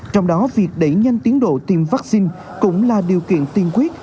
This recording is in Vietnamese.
trong đó việc đẩy nhanh tiến độ tiêm vaccine cũng là điều kiện tiên quyết